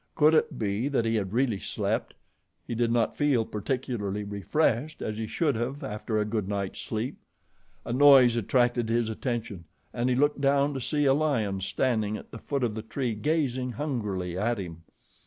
Could it be that he had really slept? He did not feel particularly refreshed as he should have after a good sleep. A noise attracted his attention, and he looked down to see a lion standing at the foot of the tree gazing hungrily at him.